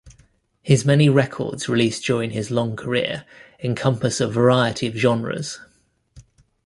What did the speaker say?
His many records released during his long career encompass a variety of genres.